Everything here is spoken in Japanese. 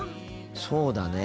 そうだね。